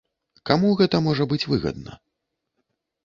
Каму гэта можа быць выгадна?